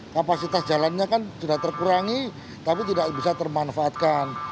kapasitas jalannya kan sudah terkurangi tapi tidak bisa termanfaatkan